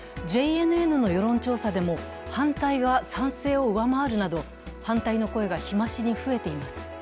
ＪＮＮの世論調査でも反対が賛成を上回るなど、反対の声が日増しに増えています。